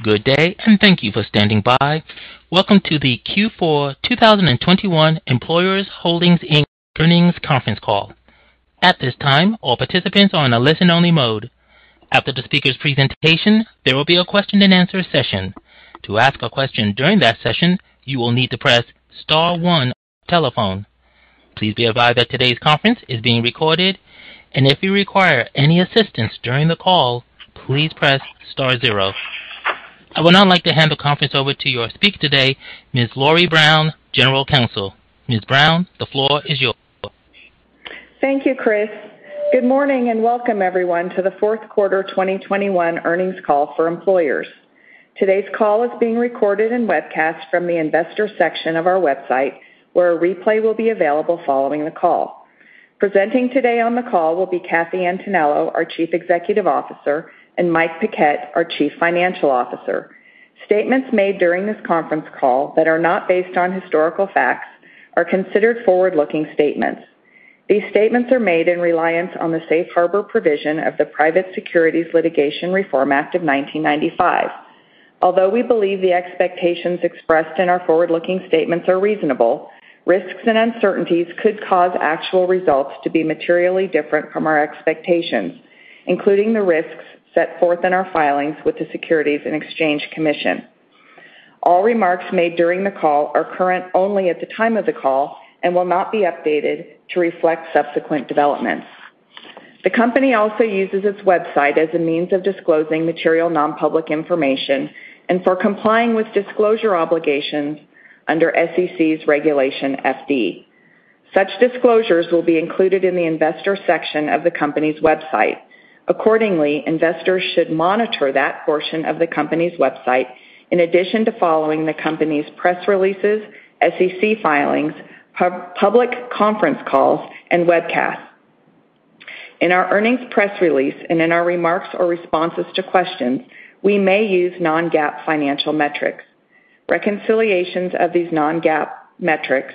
Good day, and thank you for standing by. Welcome to the Q4 2021 Employers Holdings, Inc. Earnings Conference Call. At this time, all participants are on a listen-only mode. After the speaker's presentation, there will be a question-and-answer session. To ask a question during that session, you will need to press star one on your telephone. Please be advised that today's conference is being recorded, and if you require any assistance during the call, please press star zero. I would now like to hand the conference over to your speaker today, Ms. Lori Brown, General Counsel. Ms. Brown, the floor is yours. Thank you, Chris. Good morning, and welcome everyone to the Q4 2021 earnings call for Employers. Today's call is being recorded and webcast from the investor section of our website, where a replay will be available following the call. Presenting today on the call will be Kathy Antonello, our Chief Executive Officer, and Mike Paquette, our Chief Financial Officer. Statements made during this conference call that are not based on historical facts are considered forward-looking statements. These statements are made in reliance on the safe harbor provision of the Private Securities Litigation Reform Act of 1995. Although we believe the expectations expressed in our forward-looking statements are reasonable, risks and uncertainties could cause actual results to be materially different from our expectations, including the risks set forth in our filings with the Securities and Exchange Commission. All remarks made during the call are current only at the time of the call and will not be updated to reflect subsequent developments. The company also uses its website as a means of disclosing material non-public information and for complying with disclosure obligations under SEC's Regulation FD. Such disclosures will be included in the investor section of the company's website. Accordingly, investors should monitor that portion of the company's website in addition to following the company's press releases, SEC filings, public conference calls, and webcasts. In our earnings press release and in our remarks or responses to questions, we may use non-GAAP financial metrics. Reconciliations of these non-GAAP metrics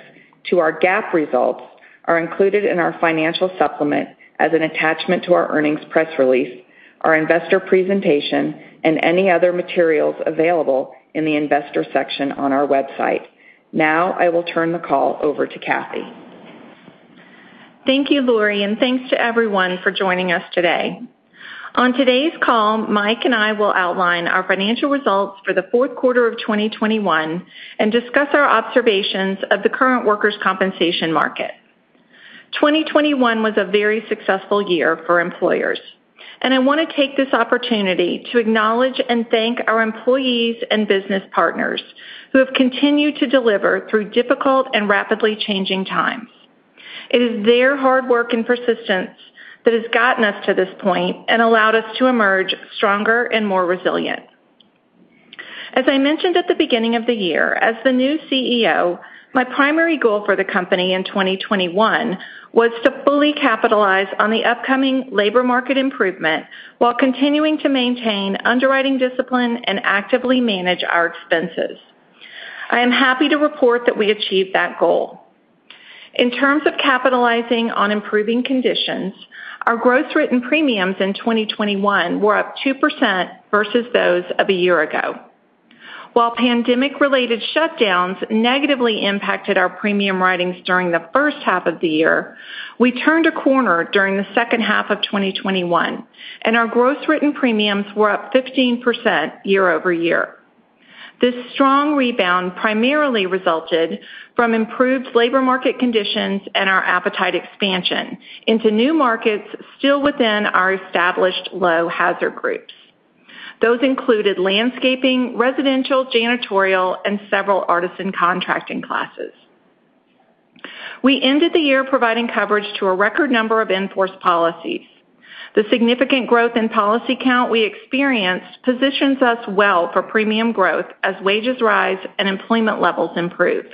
to our GAAP results are included in our financial supplement as an attachment to our earnings press release, our investor presentation, and any other materials available in the investor section on our website. Now I will turn the call over to Kathy. Thank you, Lori, and thanks to everyone for joining us today. On today's call, Mike and I will outline our financial results for the Q4 of 2021 and discuss our observations of the current workers' compensation market. 2021 was a very successful year for Employers, and I want to take this opportunity to acknowledge and thank our employees and business partners who have continued to deliver through difficult and rapidly changing times. It is their hard work and persistence that has gotten us to this point and allowed us to emerge stronger and more resilient. As I mentioned at the beginning of the year, as the new CEO, my primary goal for the company in 2021 was to fully capitalize on the upcoming labor market improvement while continuing to maintain underwriting discipline and actively manage our expenses. I am happy to report that we achieved that goal. In terms of capitalizing on improving conditions, our gross written premiums in 2021 were up 2% versus those of a year ago. While pandemic-related shutdowns negatively impacted our premium writings during the H1 of the year, we turned a corner during the H2 of 2021, and our gross written premiums were up 15% year over year. This strong rebound primarily resulted from improved labor market conditions and our appetite expansion into new markets still within our established low hazard groups. Those included landscaping, residential, janitorial, and several artisan contracting classes. We ended the year providing coverage to a record number of in-force policies. The significant growth in policy count we experienced positions us well for premium growth as wages rise and employment levels improve.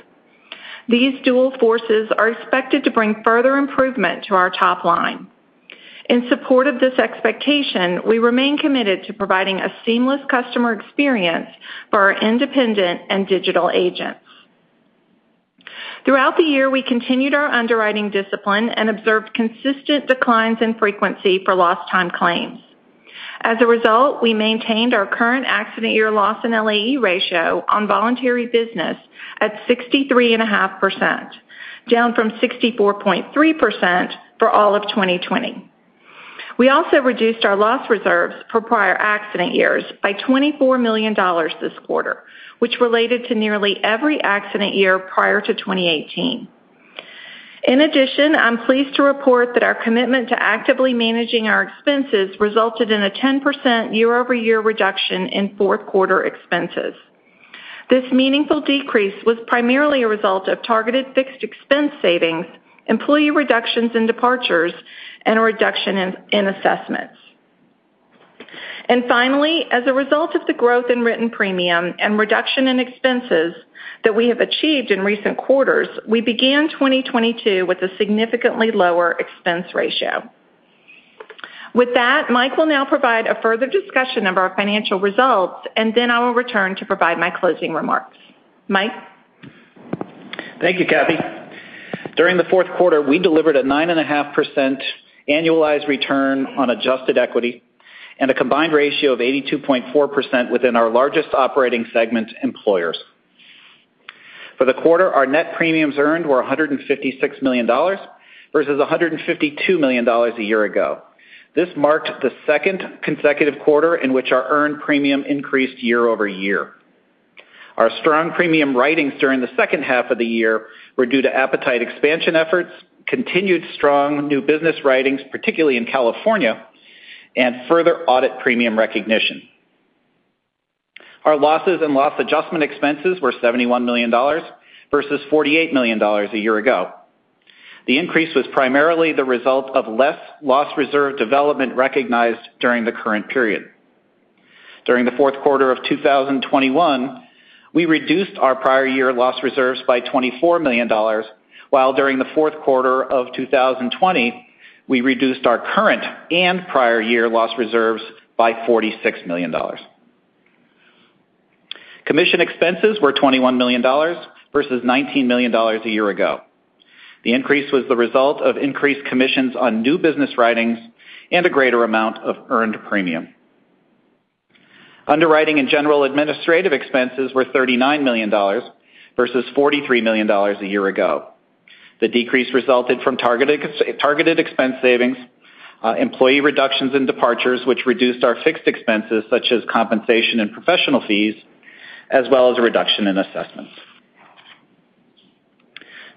These dual forces are expected to bring further improvement to our top line. In support of this expectation, we remain committed to providing a seamless customer experience for our independent and digital agents. Throughout the year, we continued our underwriting discipline and observed consistent declines in frequency for lost time claims. As a result, we maintained our current accident year loss in LAE ratio on voluntary business at 63.5%, down from 64.3% for all of 2020. We also reduced our loss reserves for prior accident years by $24 million this quarter, which related to nearly every accident year prior to 2018. In addition, I'm pleased to report that our commitment to actively managing our expenses resulted in a 10% year-over-year reduction in Q4 expenses. This meaningful decrease was primarily a result of targeted fixed expense savings, employee reductions and departures, and a reduction in assessments. Finally, as a result of the growth in written premium and reduction in expenses that we have achieved in recent quarters, we began 2022 with a significantly lower expense ratio. With that, Mike will now provide a further discussion of our financial results, and then I will return to provide my closing remarks. Mike? Thank you, Kathy. During the Q4, we delivered a 9.5% annualized return on adjusted equity and a combined ratio of 82.4% within our largest operating segment, Employers. For the quarter, our net premiums earned were $156 million, versus $152 million a year ago. This marked the second consecutive quarter in which our earned premium increased year-over-year. Our strong premium writings during the H2 of the year were due to appetite expansion efforts, continued strong new business writings, particularly in California, and further audit premium recognition. Our losses and loss adjustment expenses were $71 million versus $48 million a year ago. The increase was primarily the result of less loss reserve development recognized during the current period. During the Q4 of 2021, we reduced our prior year loss reserves by $24 million, while during the Q4 of 2020, we reduced our current and prior year loss reserves by $46 million. Commission expenses were $21 million versus $19 million a year ago. The increase was the result of increased commissions on new business writings and a greater amount of earned premium. Underwriting and general administrative expenses were $39 million versus $43 million a year ago. The decrease resulted from targeted expense savings, employee reductions and departures, which reduced our fixed expenses such as compensation and professional fees, as well as a reduction in assessments.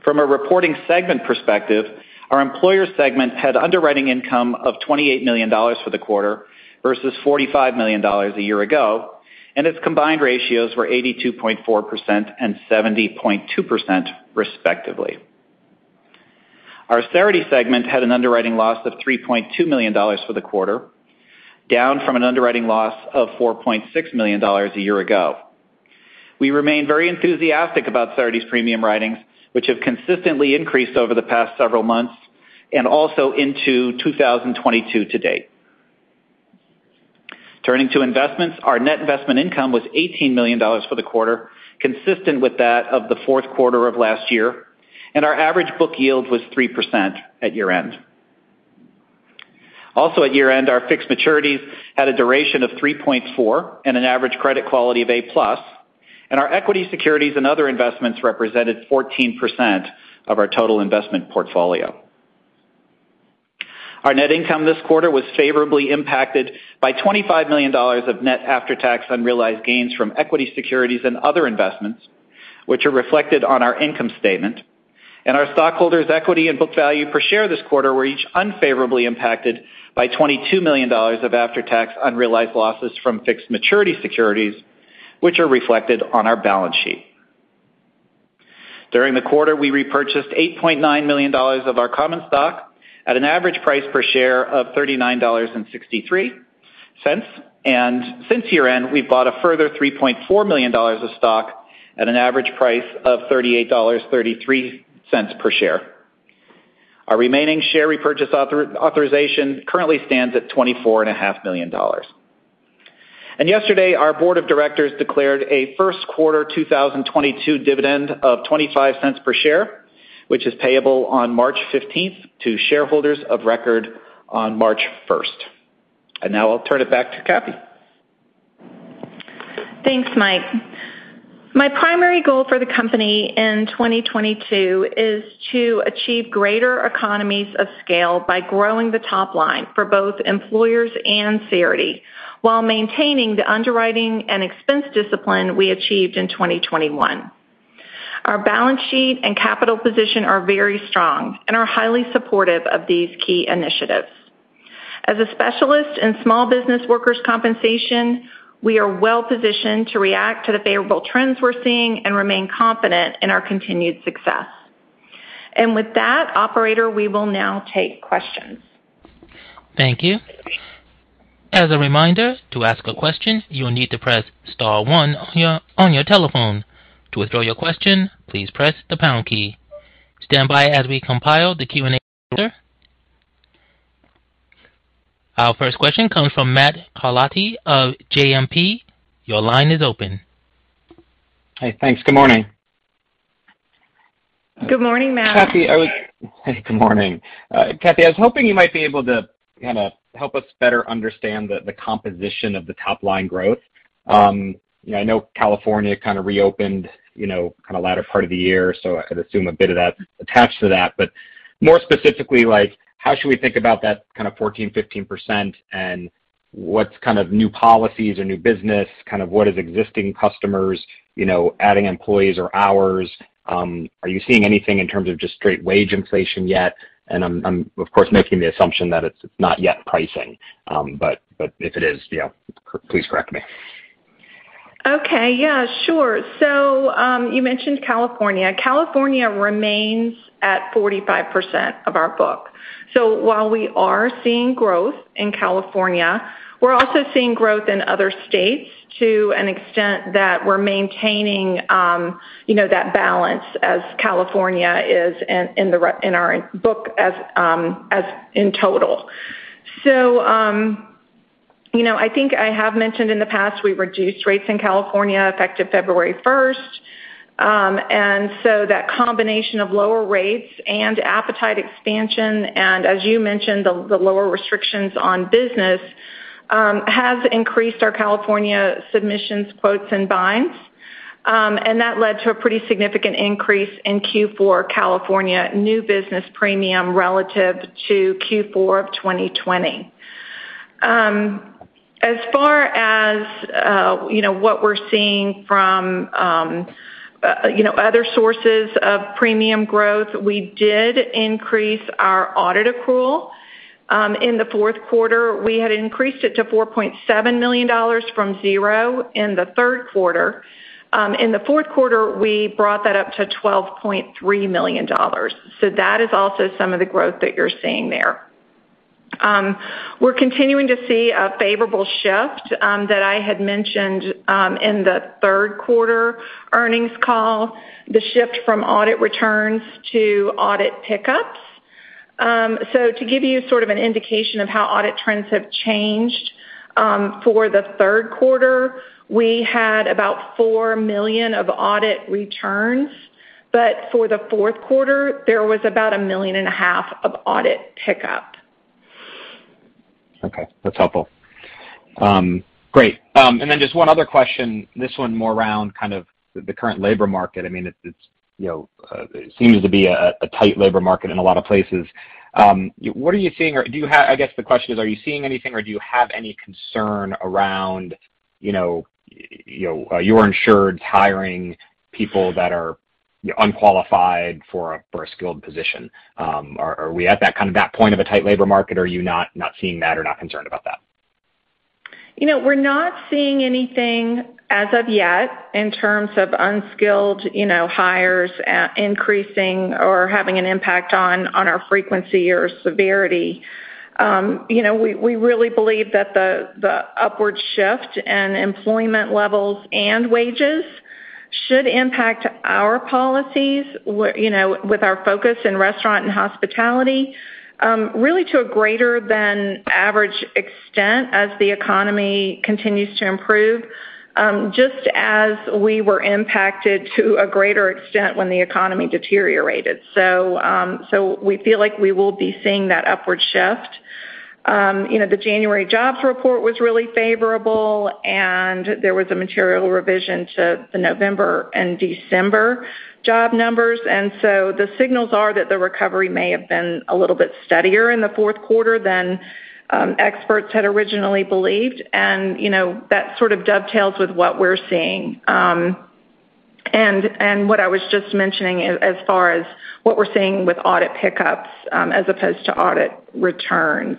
From a reporting segment perspective, our Employers segment had underwriting income of $28 million for the quarter versus $45 million a year ago, and its combined ratios were 82.4% and 70.2% respectively. Our Cerity segment had an underwriting loss of $3.2 million for the quarter, down from an underwriting loss of $4.6 million a year ago. We remain very enthusiastic about Cerity's premium writings, which have consistently increased over the past several months and also into 2022 to date. Turning to investments, our net investment income was $18 million for the quarter, consistent with that of the Q4 of last year, and our average book yield was 3% at year-end. Also at year-end, our fixed maturities had a duration of 3.4 and an average credit quality of A+, and our equity securities and other investments represented 14% of our total investment portfolio. Our net income this quarter was favorably impacted by $25 million of net after-tax unrealized gains from equity securities and other investments, which are reflected on our income statement. Our stockholders' equity and book value per share this quarter were each unfavorably impacted by $22 million of after-tax unrealized losses from fixed maturities securities, which are reflected on our balance sheet. During the quarter, we repurchased $8.9 million of our common stock at an average price per share of $39.63. Since year-end, we've bought a further $3.4 million of stock at an average price of $38.33 per share. Our remaining share repurchase authorization currently stands at $24.5 million. Yesterday, our board of directors declared a Q1 2022 dividend of $0.25 per share, which is payable on March fifteenth to shareholders of record on March first. Now I'll turn it back to Kathy Thanks, Mike. My primary goal for the company in 2022 is to achieve greater economies of scale by growing the top line for both Employers and Cerity, while maintaining the underwriting and expense discipline we achieved in 2021. Our balance sheet and capital position are very strong and are highly supportive of these key initiatives. As a specialist in small business workers' compensation, we are well-positioned to react to the favorable trends we're seeing and remain confident in our continued success. With that, operator, we will now take questions. Thank you. As a reminder, to ask a question, you will need to press star one on your telephone. To withdraw your question, please press the pound key. Stand by as we compile the Q&A. Our first question comes from Matt Carletti of JMP. Your line is open. Hey, thanks. Good morning. Good morning, Matt. Kathy, I was- Hey, good morning. Kathy, I was hoping you might be able to kind of help us better understand the composition of the top-line growth. You know, I know California kind of reopened, you know, kind of latter part of the year, so I assume a bit of that attached to that. But more specifically, like how should we think about that kind of 14%-15%? And what kind of new policies or new business, kind of what is existing customers, you know, adding employees or hours? Are you seeing anything in terms of just straight wage inflation yet? And I'm of course making the assumption that it's not yet pricing. But if it is, you know, please correct me. Okay. Yeah, sure. You mentioned California. California remains at 45% of our book. While we are seeing growth in California, we're also seeing growth in other states to an extent that we're maintaining you know that balance as California is in our book as in total. You know, I think I have mentioned in the past, we reduced rates in California effective February first. That combination of lower rates and appetite expansion, and as you mentioned, the lower restrictions on business has increased our California submissions, quotes and binds. That led to a pretty significant increase in Q4 California new business premium relative to Q4 of 2020. As far as, you know, what we're seeing from, you know, other sources of premium growth, we did increase our audit accrual in the Q4. We had increased it to $4.7 million from 0 in the Q3. In the Q4, we brought that up to $12.3 million. That is also some of the growth that you're seeing there. We're continuing to see a favorable shift that I had mentioned in the Q3 earnings call, the shift from audit returns to audit pickups. To give you sort of an indication of how audit trends have changed, for the Q3, we had about $4 million of audit returns, but for the Q4, there was about $1.5 million of audit pickup. Okay, that's helpful. Great. Just one other question, this one more around kind of the current labor market. I mean, it's you know, it seems to be a tight labor market in a lot of places. What are you seeing or do you have? I guess the question is, are you seeing anything or do you have any concern around you know, your insureds hiring people that are unqualified for a skilled position? Are we at that kind of point of a tight labor market? Are you not seeing that or not concerned about that? You know, we're not seeing anything as of yet in terms of unskilled, you know, hires increasing or having an impact on our frequency or severity. You know, we really believe that the upward shift in employment levels and wages should impact our policies, where, you know, with our focus in restaurant and hospitality, really to a greater than average extent as the economy continues to improve, just as we were impacted to a greater extent when the economy deteriorated. We feel like we will be seeing that upward shift. You know, the January jobs report was really favorable, and there was a material revision to the November and December job numbers. The signals are that the recovery may have been a little bit steadier in the Q4 than experts had originally believed. You know, that sort of dovetails with what we're seeing, and what I was just mentioning as far as what we're seeing with audit pickups, as opposed to audit returns.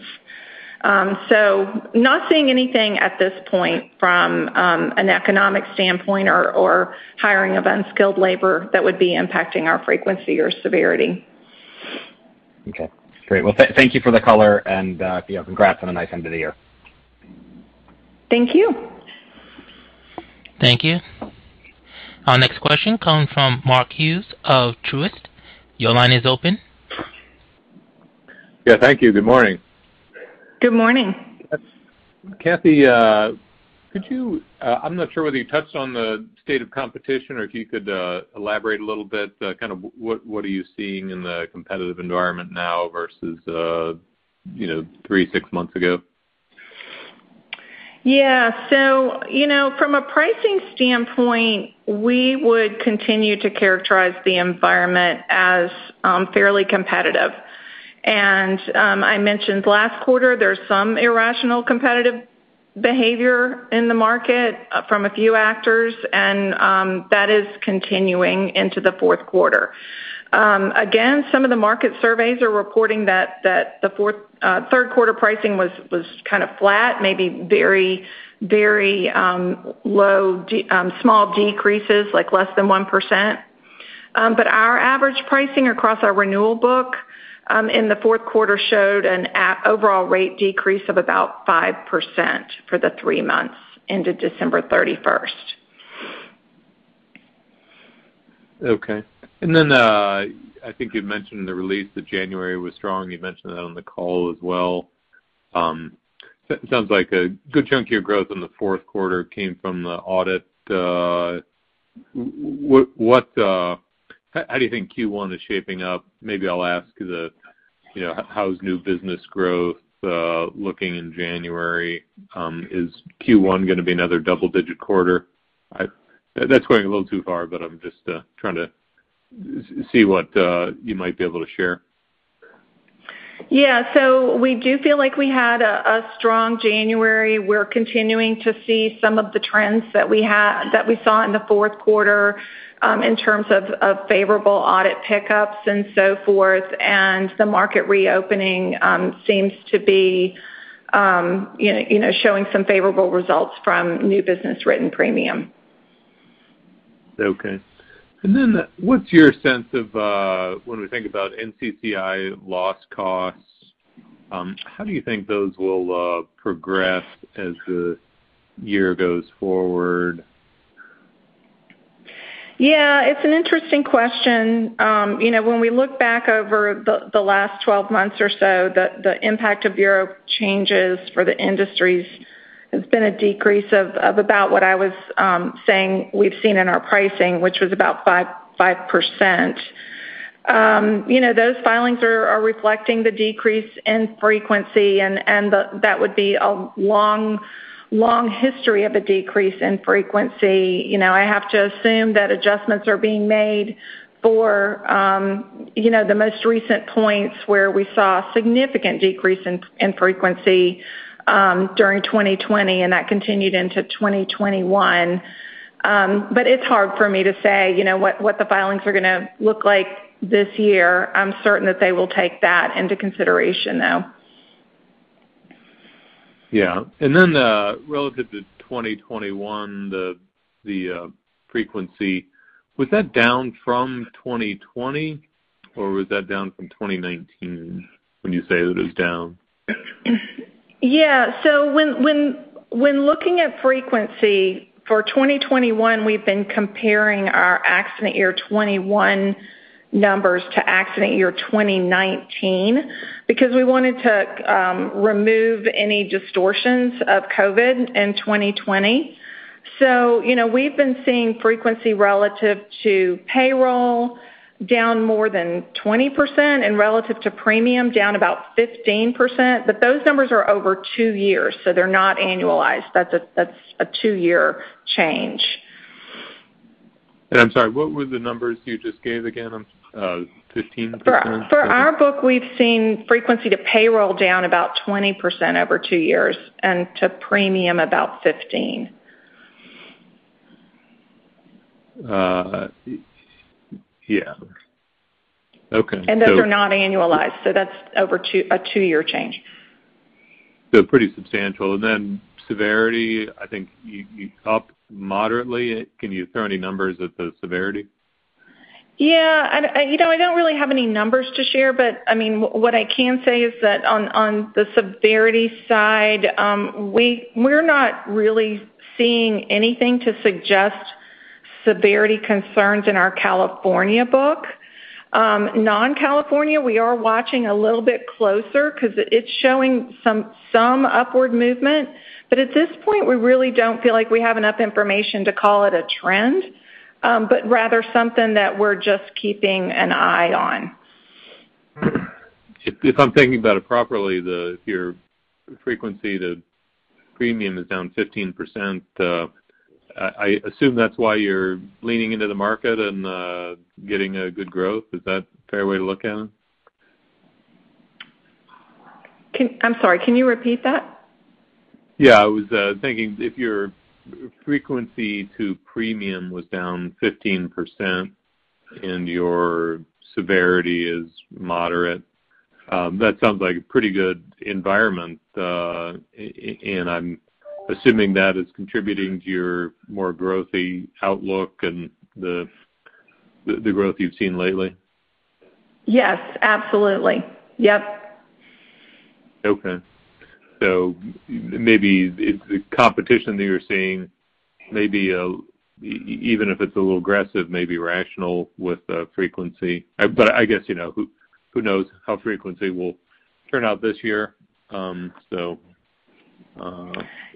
Not seeing anything at this point from an economic standpoint or hiring of unskilled labor that would be impacting our frequency or severity. Okay, great. Well, thank you for the color and, you know, congrats on a nice end of the year. Thank you. Thank you. Our next question comes from Mark Hughes of Truist. Your line is open. Yeah, thank you. Good morning. Good morning. Kathy, could you, I'm not sure whether you touched on the state of competition or if you could elaborate a little bit, kind of what are you seeing in the competitive environment now versus, you know, three, six months ago? Yeah. You know, from a pricing standpoint, we would continue to characterize the environment as fairly competitive. I mentioned last quarter there's some irrational competitive behavior in the market from a few actors, and that is continuing into the Q4. Again, some of the market surveys are reporting that the Q3 pricing was kind of flat, maybe very low small decreases, like less than 1%. Our average pricing across our renewal book in the Q4 showed an overall rate decrease of about 5% for the three months into December thirty-first. Okay. I think you mentioned in the release that January was strong. You mentioned that on the call as well. Sounds like a good chunk of your growth in the Q4 came from the audit. How do you think Q1 is shaping up? Maybe I'll ask, you know, how's new business growth looking in January? Is Q1 going to be another double-digit quarter? That's going a little too far, but I'm just trying to see what you might be able to share. Yeah. We do feel like we had a strong January. We're continuing to see some of the trends that we saw in the Q4 in terms of favorable audit pickups and so forth. The market reopening seems to be you know showing some favorable results from new business written premium. Okay. What's your sense of, when we think about NCCI loss costs, how do you think those will progress as the year goes forward? Yeah, it's an interesting question. You know, when we look back over the last 12 months or so, the impact of bureau changes for the industries has been a decrease of about what I was saying we've seen in our pricing, which was about 5%. You know, those filings are reflecting the decrease in frequency and that would be a long history of a decrease in frequency. You know, I have to assume that adjustments are being made for the most recent points where we saw significant decrease in frequency during 2020, and that continued into 2021. It's hard for me to say what the filings are going to look like this year. I'm certain that they will take that into consideration, though. Yeah. Relative to 2021, the frequency, was that down from 2020, or was that down from 2019 when you say that it was down? Yeah. When looking at frequency for 2021, we've been comparing our accident year 2021 numbers to accident year 2019 because we wanted to remove any distortions of COVID in 2020. You know, we've been seeing frequency relative to payroll down more than 20% and relative to premium down about 15%. Those numbers are over two years, so they're not annualized. That's a two-year change. I'm sorry, what were the numbers you just gave again? 15%? For our book, we've seen frequency to payroll down about 20% over 2 years, and to premium about 15%. Yeah. Okay. Those are not annualized, so that's over a two-year change. Pretty substantial. Severity, I think you up moderately. Can you throw any numbers at the severity? Yeah. You know, I don't really have any numbers to share. I mean, what I can say is that on the severity side, we're not really seeing anything to suggest severity concerns in our California book. Non-California, we are watching a little bit closer because it's showing some upward movement. At this point, we really don't feel like we have enough information to call it a trend, but rather something that we're just keeping an eye on. If I'm thinking about it properly, if your frequency to premium is down 15%, I assume that's why you're leaning into the market and getting a good growth. Is that a fair way to look at it? I'm sorry, can you repeat that? Yeah. I was thinking if your frequency to premium was down 15% and your severity is moderate, that sounds like a pretty good environment. I'm assuming that is contributing to your more growthy outlook and the growth you've seen lately. Yes, absolutely. Yep. Okay. Maybe the competition that you're seeing may be even if it's a little aggressive, may be rational with the frequency. I guess, you know, who knows how frequency will turn out this year. Okay.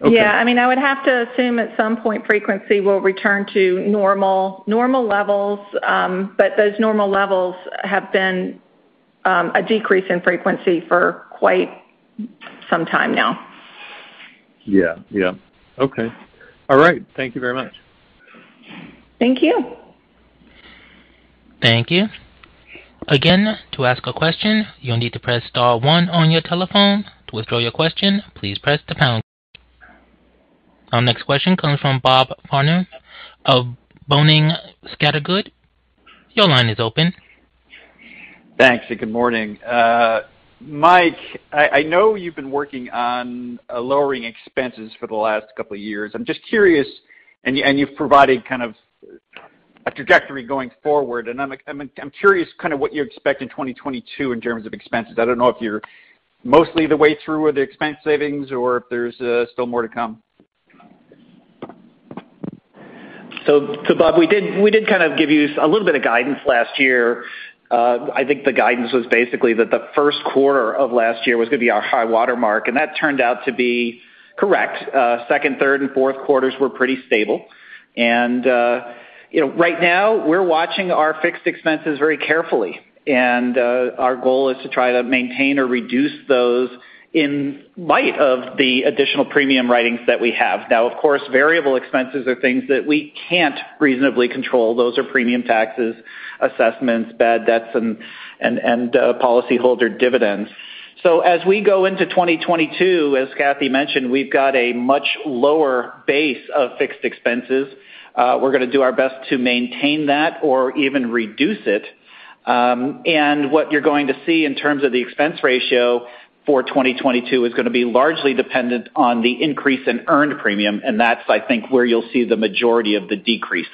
Yeah. I mean, I would have to assume at some point frequency will return to normal levels. Those normal levels have been a decrease in frequency for quite some time now. Yeah. Yeah. Okay. All right. Thank you very much. Thank you. Thank you. Again, to ask a question, you'll need to press star one on your telephone. To withdraw your question, please press the pound key. Our next question comes from Bob Farnam of Boenning & Scattergood. Your line is open. Thanks, good morning. Mike, I know you've been working on lowering expenses for the last couple of years. I'm just curious, you've provided kind of a trajectory going forward, and I'm curious kind of what you expect in 2022 in terms of expenses. I don't know if you're mostly the way through with the expense savings or if there's still more to come. Bob, we did kind of give you a little bit of guidance last year. I think the guidance was basically that the Q1 of last year was going to be our high water mark, and that turned out to be correct. Second, third, and Q4s were pretty stable. You know, right now we're watching our fixed expenses very carefully, and our goal is to try to maintain or reduce those in light of the additional premium writings that we have. Now, of course, variable expenses are things that we can't reasonably control. Those are premium taxes, assessments, bad debts, and policyholder dividends. As we go into 2022, as Kathy mentioned, we've got a much lower base of fixed expenses. We're going to do our best to maintain that or even reduce it. what you're going to see in terms of the expense ratio for 2022 is going to be largely dependent on the increase in earned premium, and that's, I think, where you'll see the majority of the decrease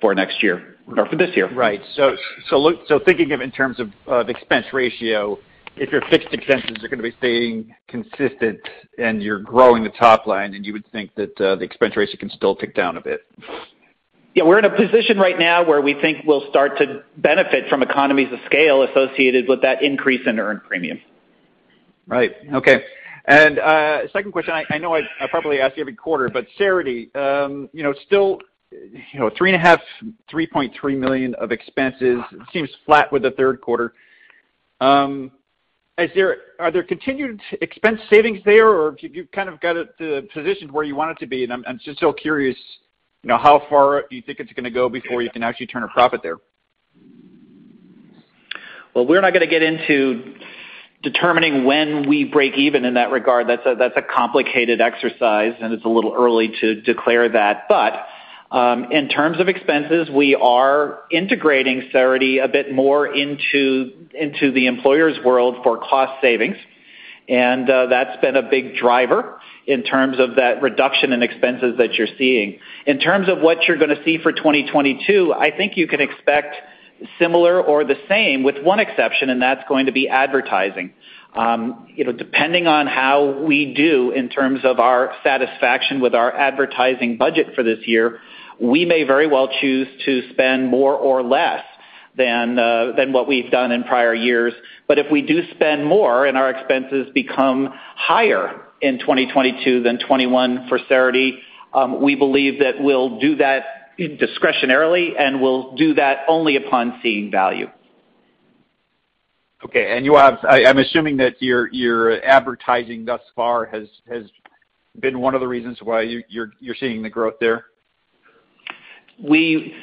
for next year or for this year. Right. Thinking of it in terms of expense ratio, if your fixed expenses are going to be staying consistent and you're growing the top line, then you would think that the expense ratio can still tick down a bit. Yeah, we're in a position right now where we think we'll start to benefit from economies of scale associated with that increase in earned premium. Right. Okay. Second question, I know I probably ask you every quarter, but Cerity, you know, still, you know, $3.5 million, $3.3 million of expenses seems flat with the Q3. Are there continued expense savings there, or you kind of got it to the position where you want it to be? I'm just so curious, you know, how far you think it's going to go before you can actually turn a profit there. Well, we're not going to get into determining when we break even in that regard. That's a complicated exercise, and it's a little early to declare that. In terms of expenses, we are integrating Cerity a bit more into the Employers world for cost savings. That's been a big driver in terms of that reduction in expenses that you're seeing. In terms of what you're going to see for 2022, I think you can expect similar or the same with one exception, and that's going to be advertising. You know, depending on how we do in terms of our satisfaction with our advertising budget for this year, we may very well choose to spend more or less than what we've done in prior years. If we do spend more and our expenses become higher in 2022 than 2021 for Cerity, we believe that we'll do that discretionarily, and we'll do that only upon seeing value. Okay. I'm assuming that your advertising thus far has been one of the reasons why you're seeing the growth there. We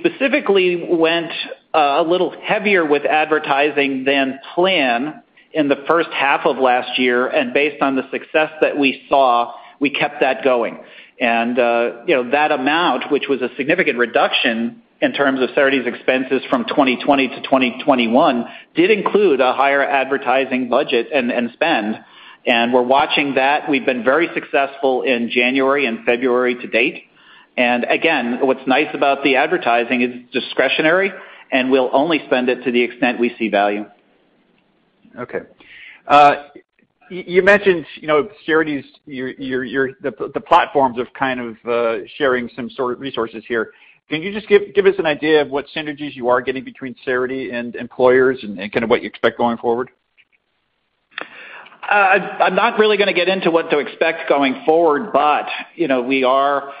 specifically went a little heavier with advertising than planned in the H1 of last year, and based on the success that we saw, we kept that going. You know, that amount, which was a significant reduction in terms of Cerity's expenses from 2020 to 2021, did include a higher advertising budget and spend. We're watching that. We've been very successful in January and February to date. Again, what's nice about the advertising, it's discretionary, and we'll only spend it to the extent we see value. Okay. You mentioned, you know, Cerity's your the platforms of kind of sharing some sort of resources here. Can you just give us an idea of what synergies you are getting between Cerity and Employers and kind of what you expect going forward? I'm not really going to get into what to expect going forward, but, you know, we are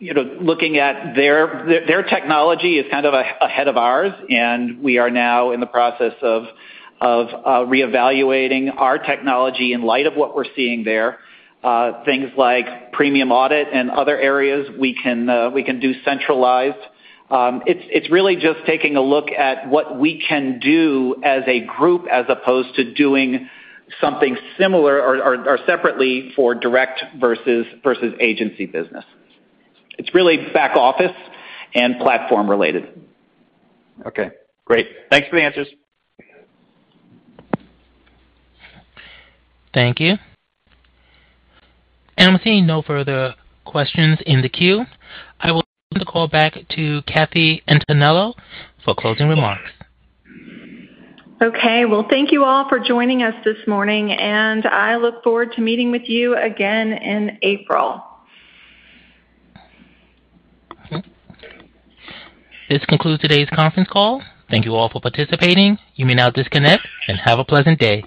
looking at their technology. Their technology is kind of ahead of ours, and we are now in the process of reevaluating our technology in light of what we're seeing there. Things like premium audit and other areas we can do centralized. It's really just taking a look at what we can do as a group as opposed to doing something similar or separately for direct versus agency business. It's really back office and platform related. Okay, great. Thanks for the answers. Thank you. I'm seeing no further questions in the queue. I will turn the call back to Kathy Antonello for closing remarks. Okay. Well, thank you all for joining us this morning, and I look forward to meeting with you again in April. This concludes today's conference call. Thank you all for participating. You may now disconnect and have a pleasant day.